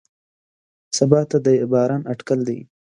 سبا ته د باران اټکل دی.